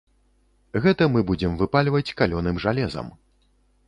Гэта мы будзем выпальваць калёным жалезам.